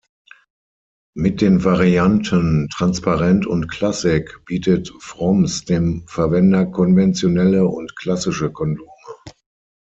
Mit den Varianten „transparent“ und „classic“ bietet Fromms dem Verwender konventionelle und klassische Kondome.